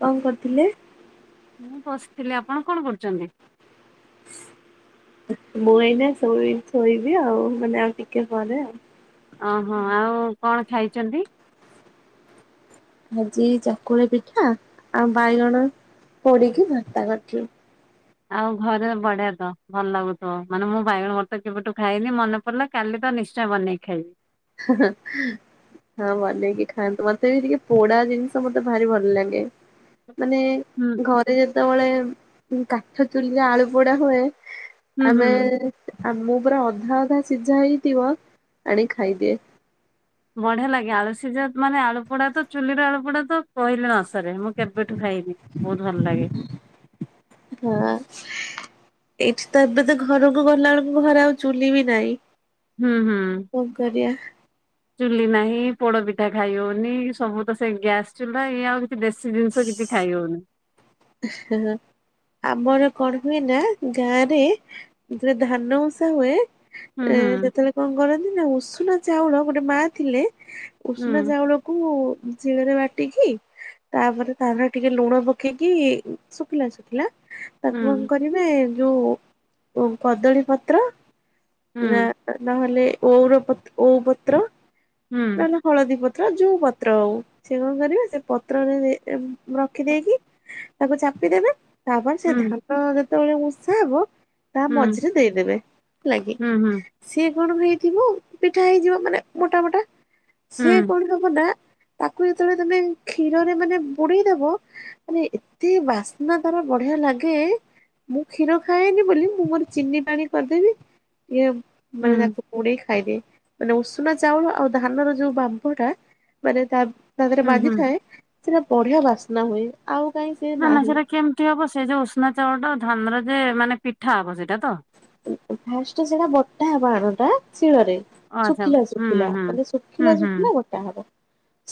କଣ କରୁଥିଲେ? ମୁଁ ବସିଥିଲି। ଆପଣ କଣ କରୁଚନ୍ତି? ମୁଁ ଏଇନା ଶୋଇ ଶୋଇବି ଆଉ, ମାନେ ଆଉ ଟିକେ ପରେ ଆଉ। ଓହୋ ଆଉ କଣ ଖାଇଚନ୍ତି? ଆଜି ଚକୁଳି ପିଠା ଆଉ ବାଇଗଣ ପୋଡିକି ଭର୍ତ୍ତା କରିଥିଲି। ଆଉ ଘରେ ବଢିଆ ତ ଭଲ ଲାଗୁଥିବ ମାନେ ମୁଁ ବାଇଗଣ ଭର୍ତା କେବେଠୁ ଖାଇନି ମନେ ପଲା କାଲି ତ ନିଶ୍ଚୟ ବନେଇ ଖାଇବି। [inaudible] ହଁ ବନେଇକି ଖାଆନ୍ତୁ ମତେ ବି ଟିକେ ପୋଡା ଜିନିଷ ମତେ ଭାରି ଭଲ ଲାଗେ। ମାନେ ହୁଁ ଘରେ ଯେତେବେଳେ କାଠ ଚୁଲିରେ ଆଳୁ ପୋଡା ହୁଏ ହୁଁ ହୁଁ ଆମେ ମୁଁ ପୁରା ଅଧା ଅଧା ସିଝା ହେଇଥିବ ଆଣିକି ଖାଇଦିଏ। ବଢିଆ ଲାଗେ ଆଳୁ ସିଜା ମାନେ ଆଳୁପୋଡା ତ ଚୁଲିର ଆଳୁପୋଡା ତ କହିଲେ ନ ସରେ। କରେ ମୁଁ କେବେଠୁ ଖାଇନି ବହୁତ ଭଲ ଲାଗେ। ହଁ। ଏଇଠି ତ ଏବେ ତ ଘରକୁ ଗଲାବେଳକୁ ଘରେ ଆଉ ଚୁଲି ବି ନାହିଁ। ହୁଁ ହୁଁ। କଣ କରିବା। ଚୁଲି ନାହିଁ ପୋଡ ପିଠା ଖାଇ ହଉନି। ସବୁ ତ ସେ ଗ୍ୟାସ ଚୁଲା ଇଏ ଆଉ କି ଦେଶୀ ଜିନିଷ କିଛି ଖାଇ ହଉନି। [inaudible] ଆମର କଣ ହୁଏ ନା ଗାଁ ରେ ଯୋ ଧାନ ଓଷା ହୁଏ ହୁଁ ଏ ହୁଁ ଯେତେବେଳେ କଣ କରନ୍ତି ନା ଉଷୁନା ଚାଉଳ ଗୋଟେ ମା ଥିଲେ ଉଷୁନା ହୁଁ ଚାଉଳ କୁ ଶିଳରେ ବାଟିକି ତାପରେ ତାଉପରେ ଟିକେ ଲୁଣ ପକେଇକି କି ଶୁଖିଲା ଶୁଖିଲା ତାକୁ କଣ କର୍ ମେ ଯୋଉ କଦଳୀ ପତ୍ର ନା ହୁଁ ନହେଲେ ଔର ପତ୍ ଓଉ ପତ୍ର ହୁଁ ନା ନା ହଳଦୀ ପତ୍ର ଯୋଉ ପତ୍ର ହଉ ସେ କଣ କରିବେ ସେ ପତ୍ରରେ ଏମ୍ ହୁଁ ରଖିଦେଇକି ତାକୁ ଚାପିଦବେ ତାପରେ ସେ ହୁଁ ଧାନ ଯେତେବେଳେ ଉର୍ଷା ହବ ତା ହୁଁ ମଝିରେ ଦେଇଦେବେ ହେଲାକି ହୁଁ ହୁଁ ସିଏ କଣ ହେଇଥିବ ପିଠା ହେଇଯିବ ମାନେ ମୋଟା ମୋଟା ସିଏ ହୁଁ କଣ ଦଉ ପଟା, ତାକୁ ଯେତେବେଳେ ତମେ କ୍ଷୀରରେ ମାନେ ବୁଡେଇଦବ ମାନେ ଏତେ ବାସ୍ନା ତାର ବଢିଆ ଲାଗେ। ମୁଁ କ୍ଷୀର ଖାଏନି ବୋଲି ମୁଁ ମୋର ଚିନି ପାଣି କରିଦେବି ଇଏ ହୁଁ ମାନେ ତାକୁ ବୁଡେଇ ଖାଇଦିଏ ମାନେ ଉଷୁନା ଚାଉଳ ଆଉ ଧାନର ଯୋଉ ବାମ୍ଫ ଟା ମାନେ ତା ତା ଦିହରେ ହୁଁ ହୁଁ ବାଜିଥାଏ ସେଟା ବଢିଆ ବାସ୍ନା ହୁଏ ଆଉ କାହିଁ ସେ ନା ନା ନାହିଁ ସେଇଟା କେମିତି ହବ ସେ ଯୋଉ ଉଷନା ଚାଉଳଟା ଧାନର ଯେ ମାନେ ପିଠା ହବ ସେଇଟା ତ? ଫାଷ୍ଟରେ ସେଟା ବଟା ହବ ଆରଟା ଶିଳରେ। ଓ ଆଚ୍ଛା ଶୁଖିଲା ହୁଁ ଶୁଖିଲା ହୁଁ ମାନେ ହୁଁ ଶୁଖିଲା ହୁଁ ହୁଁ ଶୁଖିଲା ବଟା ହବ।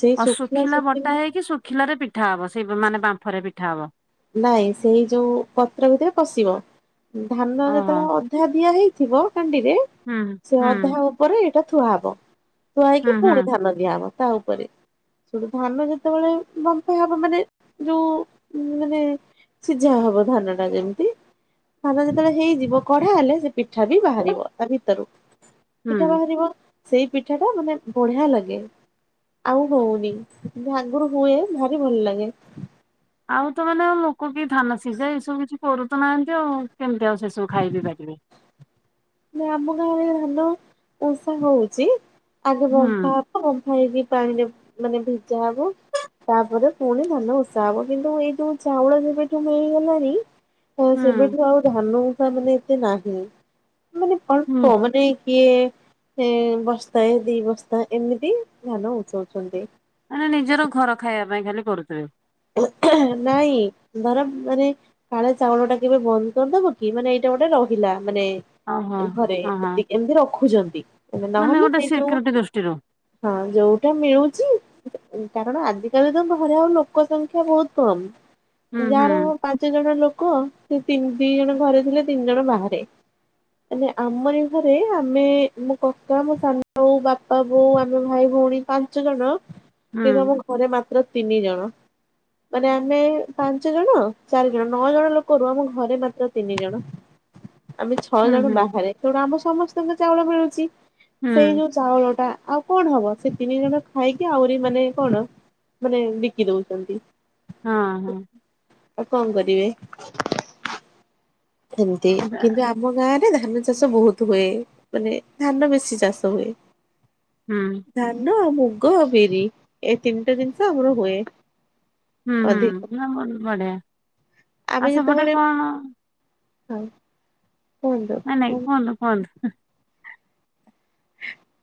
ସେଇ ଆଉ ଶୁଖିଲା ବଟା ଶୁଖିଲା ହେଇକି ଶୁଖିଲାରେ ପିଠା ହବ ସେଇ ମାନେ ବାମ୍ଫରେ ପିଠା ହବ। ନାଇଁ ସେଇ ଯୋଉ ପତ୍ର ଭିତରେ ପଶିବ ଧାନ ଓହୋ ଯେତେବେଳେ ଅଧା ଦିଆ ହେଇ ଥିବ ହାଣ୍ଡିରେ ହୁଁ ସେ ହୁଁ ଅଧା ଉପରେ ଏଇଟା ଥୁଆ ହବ ଥୁଆ ହୁଁ ହେଇକି ହୁଁ ପୁଣି ଧାନ ଦିଆହବ ତା ଉପରେ ସଟୁ ଧାନ ଯେତେବେଳେ ବମ୍ଫେଇ ହବ ମାନେ ଯୋଉ ମାନେ ସିଝା ହବ ଧାନ ଟା ଯେମିତି ଧାନ ଯେତେବେଳେ ହେଇଯିବ କଢା ହେଲେ ସେ ପିଠା ବି ବାହାରିବ ତା ଭିତରୁ ପିଠା ହୁଁ ବାହାରିବ। ସେଇ ପିଠା ଟା ମାନେ ବଢିଆ ଲାଗେ। ଆଉ ହଉନି କିନ୍ତୁ ଆଗରୁ ହୁଏ ଭାରି ଭଲ ଲାଗେ। ଆଉ ତ ମାନେ ଆ ଲୋକ କି ଧାନ ସିଝା ଏଇସବୁ କିଛି କରୁ ତ ନାହାନ୍ତି ଆଉ କେମିତି ଆଉ ସେସବୁ ଖାଇ ବିି ପାରିବେ? ନା ଆମ ଗାଁରେ ଧାନ ଉଷା ହଉଚି ଆଗେ ହୁଁ ବମ୍ଫା ବମ୍ଫା ହେଇକି ପାଣିରେ ମାନେ ଭିଜା ହବ ତାପରେ ପୁଣି ଧାନ ଉଷା ହବ କିନ୍ତୁ ଏଇ ଯୋଉ ଚାଉଳ ଯେବେଠୁ ମିଳିଗଲାଣିି ହ ହୁଁ ସେବେଠୁ ଆଉ ଧାନ ଉଷା ମାନେ ଏତେ ନାହିଁ ମାନେ ହୁଁ ଅଳ୍ପ ମାନେ କିଏ ଏ ବସ୍ତାଏ ଦି ବସ୍ତା ଏମିତି ଧାନ ଉସେଉଛନ୍ତି ମାନେ ନିଜର ଘର ଖାଇବା ପାଇଁ ଖାଲି କରୁଥିବେ। ନାଇଁ ବରଂ ମାନେ କାଳେ ଚାଉଳଟା କେବେ ବନ୍ଦ କରିଦବ କି ମାନେ ଏଇଟା ଗୋଟେ ରହିଲା ମାନେ ଓହୋ ଘରେ ଓହୋ ଏତିକି ଏମିତି ରଖୁଛନ୍ତି ମାନେ ନହେଲେ ଗୋଟେ ସେଇ ଯୋଉ ସିକ୍ୟୁରିଟି ଦୃଷ୍ଟିରୁ ହଁ ଯୋଉଟା ମିଳୁଛି କାରଣ ଆଜିିକାଲି ତ ଘରେ ଆଉ ଲୋକ ଲୋକ ସଂଖ୍ୟା ବହୁତ ହୁଁ କମ ହୁଁ ଯାହାର ପାଞ୍ଚ ଜଣ ଲୋକ ସେ ତିନି ଦି ଜଣ ଘରେ ଥିଲେ ତିନି ଜଣ ବାହାରେ। ମାନେ ଆମରି ଘରେ ଆମେ ମୋ କକା ମୋ ସାନଉ ବାପା ବୋଉ ଆମେ ଭାଇ ଭଉଣୀ ପାଞ୍ଚ ଜଣ ହୁଁ କି କହିବ ଘରେ ମାତ୍ର ତିନି ଜଣ ମାନେ ଆମେ ପାଞ୍ଚ ଜଣ ଚାରି ଜଣ ନଅ ଜଣ ଲୋକରୁୁ ଆମ ଘରେ ମାତ୍ର ତିନି ଜଣ ଆମେ ଛଅ ହୁଁ ଜଣ ହୁଁ ବାହାରେ ତେଣୁ ଆମ ସମସ୍ତଙ୍କୁ ଚାଉଳ ମିଳୁଛି। ହୁଁ ସେଇ ଯୋଉ ଚାଉଳ ଟା ଆ କଣ ହବ ସେ ତିନି ଜଣ ଖାଇକି ଆହୁରି ମାନେ କଣ ମାନେ ବିକି ଦଉଛନ୍ତି। ହଁ ହଁ ଆଉ କଣ କରିବେ ଏମୀତି ଆଚ୍ଛା କିନ୍ତୁ ଆ ଆମ ଗାଁ ରେ ଧାନ ଚାଷ ବହୁତ ହୁଏ ମାନେ ଧାନ ବେଶୀ ଚାଷ ହୁଏ। ହୁଁ ଧାନ ଆଉ ମୁଗ ବିରି ଏ ତିନିଟା ଜିନିଷ ଆମର ହୁଏ। ହୁଁ ହୁଁ ଅଧିକ ନା ବହୁତ ବଢିଆ ଆଉ ଆମେ ସେପଟେ ଯେତେବେଳେ କଣ ହୁ ନାଇଁ ନାଇ କୁହନ୍ତୁ କୁହନ୍ତୁ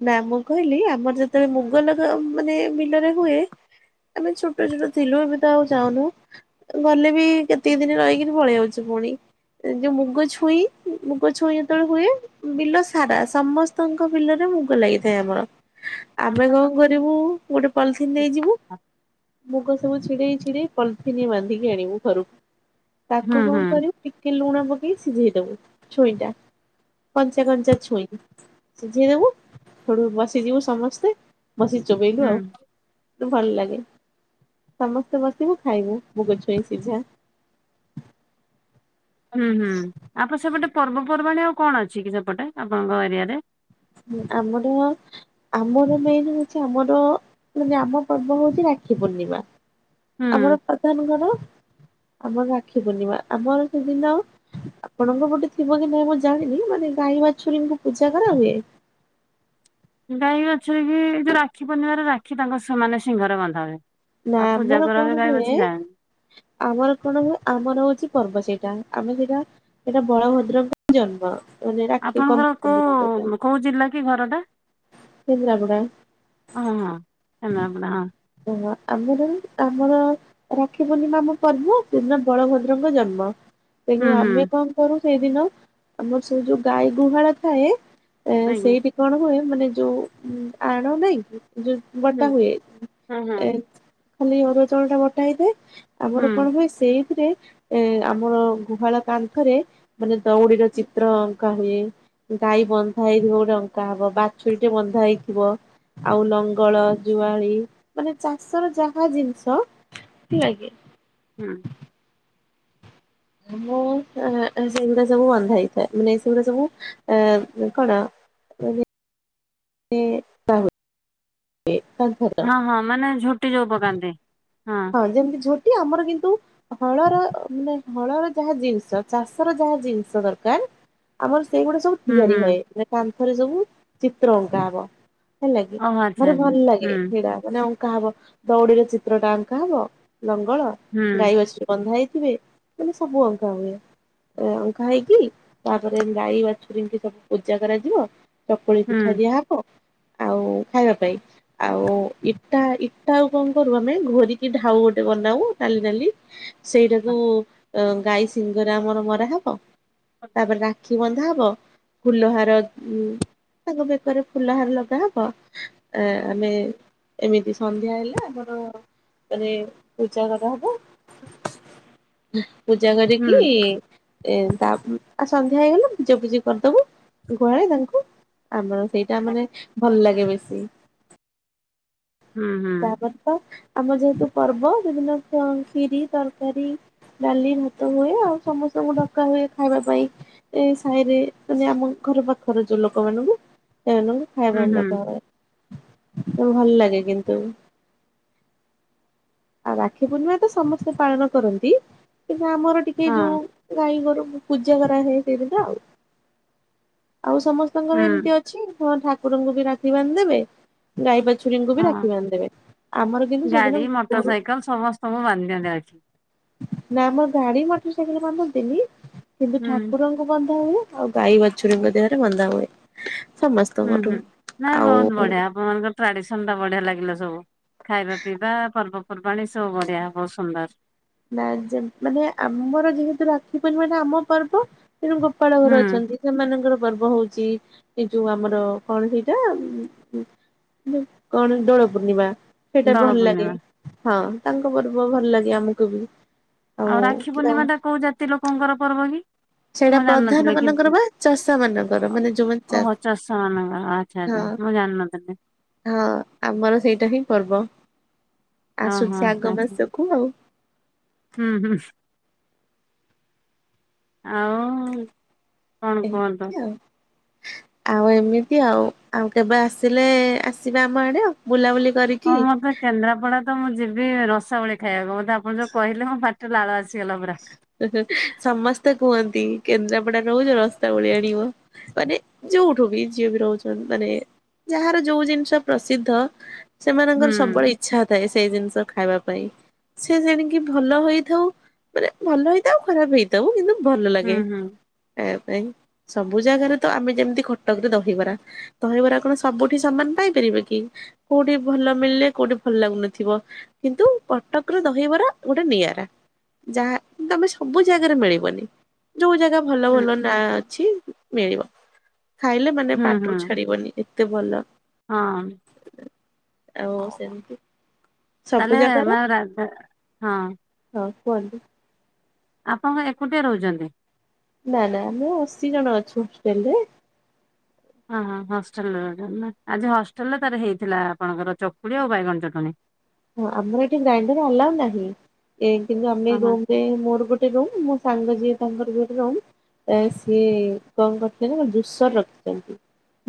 ନା ମୁଁ କହିଲି ଆମର ଯେତେବେଳେ ମୁଗଲଗା ମାନେ ବିଲରେ ହୁଏ ଆମେ ଛୋଟ ଛୋଟ ଥିଲୁ ଏବେତ ଆଉ ଯାଉନୁ ଗଲେ ବି କେତିକି ଦିନି ରହିକିରି ପଳେଇଆଉଛି ପୁଣି ଯୋଉ ମୁଗ ଛୁଇଁ- ମୁଗ ଛୁଇଁ ଯେତେବେଳେ ହୁଏ ବିଲ ସାରା ସମସ୍ତଙ୍କ ବିଲରେ ମୁଗ ଲାଗିଥାଏ ଆମର ଆମେ କଣ କରିବୁ ଗୋଟେ ପଲିଥିିନ ନେଇଯିବୁ ମୁଗ ସବୁ ଛିଡେଇ ଛିଡେଇ ପଲିଥିିନି ବାନ୍ଧିକି ଆଣିବୁ ଘରକୁ। ହୁଁ ତାକୁ ହୁଁ କଣ କରିବୁ ଟିକେ ଲୁଣ ପକେଇ ସିଝେଇଦବୁ ଛୁଇଁଟା। କଞ୍ଚା କଞ୍ଚା ଛୁଇଁ ସିଝେଇଦେବୁ। ହେଡୁ ବସି ଯିବୁ ସମସ୍ତେ ବସିି ଚୋବେଇଲୁ ହୁଁ ଆଉ ଭଲ ଲାଗେ ସମସ୍ତେ ବସିବୁ ଖାଇବୁ ମୁଗଛୁଇଁ ସିଝା। ହୁଁ ହୁଁ ଆପଣ ସେପଟେ ପର୍ବପର୍ବାଣୀ ଆଉ କଣ ଅଛି କି ସେପଟେ ଆପଣଙ୍କ ଏରିଆରେ? ହୁ ଆମର ଆମର ମେନେ ହଉଛି ଆମର ମାନେ ଆମ ପର୍ବ ହଉଛି ରାକ୍ଷୀପୂର୍ଣ୍ଣିମା ହୁଁ ଆମର ପ୍ରଧାନ କଣ ଆମର ରାକ୍ଷୀପୂର୍ଣ୍ଣିମା ଆମର ସେଦିନ ଆପଣଙ୍କ ପଟେ ଥିବ କି ନାଇଁ ମୁଁ ଜାଣିନି ମାନେ ଗାଈ ବାଛୁରୀଙ୍କୁ ପୂଜା କରାହୁୁଏ ଗାଈ ବାଛୁରୀ କି ଯୋଉ ରାକ୍ଷୀ ପୁର୍ଣ୍ଣିମାରେ ରାକ୍ଷୀ ତାଙ୍କ ସେମାନେ ସିଙ୍ଗରେ ବନ୍ଧା ହୁଏ। ନା ଆଉ ପୂଜା ଆମର କରାହୁଏ କଣ ଗାଈ ବାଛୁରୀ ହୁଏ। ଯାଆନ୍ତି। ଆମର କଣ ହୁଏ ଆମର ହଉଛି ପର୍ବ ସେଇଟା ଆମେ ସେଇଟା ସେଇଟା ବଳଭଦ୍ରଙ୍କ ଜନ୍ମ ମାନେ ରାକ୍ଷୀ ଆପଣଙ୍କର ପୂର୍ଣ୍ଣିମା ଯୋଉଟା କୋଉ କୋଉ ଜିଲ୍ଲା କି ଘରଟା? କେନ୍ଦ୍ରାପଡ଼ା କେନ୍ଦ୍ରାପଡ଼ା ହଁ ଓ ହୋ ଆମରି ଆମର ରାକ୍ଷୀ ପୂର୍ଣ୍ଣିମା ଆମ ପର୍ବ ସେଦିନ ବଳଭଦ୍ରଙ୍କ ଜନ୍ମ। ହୁଁ ତେଣୁ ହୁଁ ଆମେ କଣ କରୁ ସେଇଦିନ ଆମର ସୁ ଯୋଉ ଗାଈ ଗୁହାଳ ଥାଏ ଏ ଆଜ୍ଞା ସେଇଠି କଣ ହୁଏ ମାନେ ଯୋଉ ଆଣ ନାଇଁ କି ଯୋଉ ହୁଁ ବଟା ହୁଏ ହଁ ହଁ ଏ ଖାଲି ଅରୁଆ ଚାଉଳ ଟା ବଟା ହେଇଥାଏ ହୁଁ ଆମର କଣ ହୁଏ ସେଇଥିରେ ଏ ଆମର ଗୁହାଳ କାନ୍ଥରେ ମାନେ ଦଉଡିର ଚିତ୍ର ଅଙ୍କା ହୁଏ। ଗାଈ ବନ୍ଧା ହେଇଥିବ ଗୋଟେ ଅଙ୍କା ହବ, ବାଛୁରୀ ଟେ ବନ୍ଧା ହେଇଥିବ। ଆଉ ଲଙ୍ଗଳ, ଜୁଆଳି ମାନେ ଚାଷର ଯାହା ଜିନିଷ ହେଲା କି? ହୁଁ। ମୋ ଏଁ ସେଗୁଡା ସବୁ ବନ୍ଧା ହେଇଥାଏ, ମାନେ ଏ ସେଗୁଡା ସବୁ ଏଁ କଣ? ଏ ପା ହୁଏ। ଏ ତା ଭର ହଁ ହଁ ମାନେ ଝୋଟି ଯୋଉ ପକାନ୍ତି ହଁ। ଯେମିତି ଝୋଟି ଆମର କିନ୍ତୁ ହଳର ମାନେ ହଳର ଯାହା ଜିନିଷ ଚାଷର ଯାହା ଜିନିଷ ଦରକାର ଆମର ସେଇଗୁଡା ସବୁ ହୁଁ ତିଆରି ହୁଁ ହୁଏ କାନ୍ଥରେ ସବୁ ଚିତ୍ର ଅଙ୍କା ହବ। ହେଲାକି ଓହୋ ଆଚ୍ଛା ମତେ ଆଚ୍ଛା ଭଲ ଲାଗେ ହୁଁ ହେଡ଼ା ଅଙ୍କା ହବ ଦଉଡିରେ ଚିତ୍ରଟା ଅଙ୍କା ହବ ଲଙ୍ଗଳ ହୁଁ ଗାଈ ବାଛୁରୀବନ୍ଧା ହେଇଥିବେ ମାନେ ସବୁ ଅଙ୍କା ହୁଏ। ଏ ଅଙ୍କା ହେଇକି ତାପରେ ଗାଈ ବାଛୁରୀଙ୍କୁ ସବୁ ପୂଜା କରାଯିବ। ଚକୁଳି ପିଠା ହୁଁ। ଦିଆହବ। ଆଉ ଖାଇବା ପାଇଁ ଆଉ ଇଟା ଇଟା ଆଉ କଣ କରୁ ଆମେ ଘୋରିକି କି ଢାଉ ଗୋଟେ ବନାଉ ନାଲି ନାଲି ସେଇଟାକୁ ଗାଈ ସିଙ୍ଗରେ ଆମର ମରା ହବ ହୁଁ ତାପରେ ରାକ୍ଷୀ ବନ୍ଧାହବ। ଫୁଲହାର ଉଁ ତାଙ୍କ ବେକରେ ଫୁଲହାର ଲଗାହବ, ଆ ଆମେ ଏମିତି ସନ୍ଧ୍ୟା ହେଲେ ଆମର ପରେ ପୂଜା କରା ହବ, ପୂଜା ହୁଁ କରିକି ଏ ତା ଉମ ଏ ସନ୍ଧ୍ୟା ହେଇଗଲା ପୂଜାପୂଜି କରିଦବୁ ଗୁହାଳେ ତାଙ୍କୁ। ଆମର ସେଇଟା ମାନେ ଭଲ ଲାଗେ ବେଶୀ। ହୁଁ ହୁଁ ତାପରେ ତ ଆମର ଯେହେତୁ ପର୍ବ ବିଭିନ୍ନ ଅ କ୍ଷିରୀ, ତରକାରୀ। ଡାଲି, ଭାତ ହୁଏ, ଆଉ ସମସ୍ତଙ୍କୁ ଡକା ହୁଏ ଖାଇବା ପାଇଁ। ଏ ସାହିରେ ମାନେ ଆମ ଘର ପାଖର ଯୋଉ ଲୋକ ମାନଙ୍କୁ ସେମାନଙ୍କୁ ଖାଇବା ପାଇଁ ହୁଁ ଡକା ହୁଏ, ତ ଭଲ ଲାଗେ କିନ୍ତୁ। ଆଉ ରାକ୍ଷୀ ପୂର୍ଣ୍ଣିମା ତ ସମସ୍ତେ ପାଳନ କରନ୍ତି କିନ୍ତୁ, ଆମର ଟିକେ ହଁ ଯୋଉ ଗାଈ, ଗୋରୁ ପୂଜା କରାହେ ସେ ଦିନ ଟା ଆଉ, ଆଉ ସମସ୍ତଙ୍କର ଏମିତି ହୁଁ ଅ ଛି ହଁ ଠାକୁରଙ୍କୁ ବି ରାକ୍ଷୀ ବାନ୍ଧି ଦେବେ। ଗାଈ, ବାଛୁରୀଙ୍କୁ ବି ହଁ। ରାକ୍ଷୀ ବାନ୍ଧି ଦେବେ। ଆମର କିନ୍ତୁ ସେଦିନ ମୋଟର ଗୋରୁ ସାଇକଲ ସମସ୍ତଙ୍କୁ ବାନ୍ଧି ଦିଅନ୍ତି ଆଜି। ନା ମ ଗାଡି, ମଟର ସାଇକେଲ ବାନ୍ଧନ୍ତିନି କିନ୍ତୁ ହୁଁ ଠାକୁର ବନ୍ଧା ହୁଏ। ଆଉ ଗାଈ, ବଛୁରୀଙ୍କ ଦେହରେ ବନ୍ଧା ହୁଏ। ସମସ୍ତଙ୍କଠୁ, ଆଉ ଆପଣମାନଙ୍କର ଟ୍ରାଡିସନ ଟା ବଢିଆ ଲାଗିଲା ସବୁ। ଖାଇବା, ପିଇବା, ପର୍ବପର୍ବାଣୀ ସବୁ ବଢିଆ, ବହୁତ ସୁନ୍ଦର। ନା ଯେ ମାନେ ଆମର ଯେହେତୁ ରାକ୍ଷୀ ପୂର୍ଣ୍ଣିମାଟା ଆମ ପର୍ବ ତେଣୁ ଗୋପାଳ ଘର ହୁଁ ଅଛନ୍ତି ସେମାନଙ୍କର ପର୍ବ ହଉଛି। ଏଇ ଯୋଉ ଆମର କଣ ସେଇଟା, ଉମ କଣ ଦୋଳପୂର୍ଣ୍ଣିମା। ସେଇଟା ଦୋଳ ଭଲ ଲାଗେ। ପୂର୍ଣ୍ଣିମା। ହଁ ତାଙ୍କ ପର୍ବ ଭଲ ଲାଗେ ଆମକୁ ବି। ଆଉ ରାକ୍ଷୀ ପୂର୍ଣ୍ଣିମା ଟା କୋଉ ଜାତି ଲୋକଙ୍କର ପର୍ବ କି? ସେଇଟା ମୁଁ ପ୍ରଧାନ ଜାଣିନଥିଲି କି, ମାନଙ୍କର ବା ଚାଷା ମାନଙ୍କର ମାନେ ଯୋଉମାନେ ଚା ଓହୋ ଚଷା ମାନଙ୍କର ଆ ଆଚ୍ଛା ବା ହଁ ମୁଁ ଜାଣିନଥିଲି। ହଁ ଆମର ସେଇଟା ହିଁ ପର୍ବ। ଓହୋ ଆସୁଛି ଆଗ ଆଚ୍ଛା। ମାସକୁ ଆଉ। ହୁଁ ହୁଁ ଆଉ କଣ କୁହନ୍ତୁ? ଏମିତି ଆଉ। ଆଉ ଏମିତି ଆଉ, ଆଉ କେବେ ଆସିଲେ ଆସିବେ ଆମ ଆଡେ ଆଉ, ବୁଲାବୁଲି କରିି ହଁ, ମୋତେ କେନ୍ଦ୍ରାପଡା ତ ମୁଁ ଯିବି ରସାବଳି ଖାଇବାକୁ। ମୋତେ ଆପଣ ଯୋଉ କହିଲେ ମୋପା ଲାଳ ଆସିଗଲା ପୁରା। ତେ କୁହନ୍ତି କେନ୍ଦ୍ରାପଡା ରହୁଛ ରସା ବଳି ଆଣିବ। ମାନେ ଯୋଉଠୁ ବି ଯିଏ ବି ରହୁଛ। ମାନେ ଯାହାର ଯୋଉ ଜିନିଷ ପ୍ରସିଦ୍ଧ ହୁଁ ସେମାନଙ୍କର ସବୁବେଳେ ଇଚ୍ଛା ଥାଏ। ସେ ଜିନିଷ ଖାଇବା ପାଇଁ ସେ ଜେଣିକି ଭଲ ହେଇଥାଉ ମାନେ ଭଲ ହେଇଥାଉ ଖରାପ ହେଇଥାଉ। କିନ୍ତୁ, ଭଲ ହୁଁ ଲାଗେ ହୁଁ ଖାଇବା ପାଇଁ ସବୁ ଜାଗାରେ ତ ଆମେ ଯେମିତି କଟକରେ ଦହିବରା। ଦହିବରା କଣ ସବୁଠି ସମାନ ପାଇପାରିବେ କି? କୋଉଠି ଭଲ ମିଳିଲେ କୋଉଠି ଭଲ ଲାଗୁନଥିବ। କିନ୍ତୁ କଟକ ର ଦହିବରା ଗୋଟେ ନିଆରା। ଯାହା ତମେ ସବୁ ଜାଗାରେ ମିଳିବନି, ଯୋଉ ଜାଗା ଭଲ ହୁଁ ଭଲ ନାଁ ଅଛି, ମିଳିବ। ଖାଇଲେ ମାନେ ହୁଁ ପାଟିରୁ ହୁଁ ଛାଡିବନି ଏତେ ଭଲ। ହଁ। ଆଉ ସେମିତି, ସବୁ ତାନେ ଜାଗାର ମା ରାଧା ହଁ। ହଁ କୁହନ୍ତୁ। ଆପଣ କଣ ଏକୁଟିଆ ରହୁଛନ୍ତି? ନା ନା ଆମେ ଅଶୀ ଜଣ ଅଛୁ ହଷ୍ଟେଲ ରେ। ହଁ ହଁ ହଷ୍ଟେଲରେ ରହୁଛନ୍ତି ନା ଆଜି ହଷ୍ଟେଲରେ ତାର ହେଇଥିଲା। ଆପଣଙ୍କର ଚକୁଳି ଆଉ ବାଇଗଣ ଚଟଣି। ହଁ, ଆମର ଏଠି ଗ୍ରାଇଣ୍ଡର ଆଲାଉ ନାହିଁ। ଏ କିନ୍ତୁ ଆମେ ଏଇ ଓହୋ ରୁମରେ ମୋର ଗୋଟେ ରୁମ ମୁଁ ସାଙ୍ଗ ଯିଏ ତାଙ୍କର ବି ଗୋଟେ ରୁମ। ତାରେ ସିଏ କଣ କରିଥିଲେ ନା ଗୋଟେ ଜୁସ ରଖିଛନ୍ତି।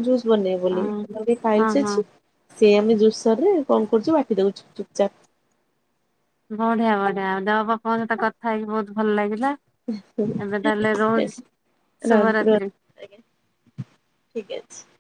ଜୁସ୍ ବନେଇବେ ବୋଲି ଓହୋ ତାଙ୍କର ଟିକେ ହଁ ପାଇଲସ ହଁ ଅଛି ସେ ଆମେ ଜୁସରରେ କଣ କରୁଛୁ ବାଟି ଦଉଛୁ। ଚୁପଚାପ। ବଢିଆ ବଢିଆ ଆଉ ଦେହ ଆପଣଂକ ସହିତ କଥା ହେଇକି ବହୁତ ଭଲ ଲାଗିଲା। ଏବେ ତାହେଲେ ରାଗରୁ। ରହୁଛି [inaudible] ଶୁଭରାତ୍ରି। ଠିକ ଅଛି।